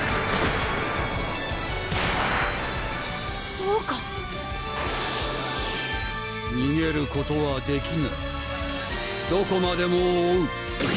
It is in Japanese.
そうかにげることはできないどこまでも追う